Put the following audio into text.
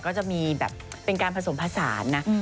ก็จะมีแบบเป็นการผสมผสานนะ